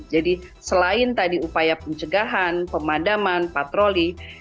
jadi selain tadi upaya pencegahan pemadaman patroli